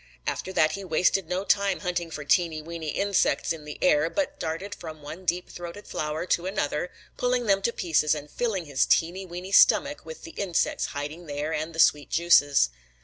After that he wasted no time hunting for teeny, weeny insects in the air, but darted from one deep throated flower to another, pulling them to pieces and filling his teeny, weeny stomach with the insects hiding there and the sweet juices.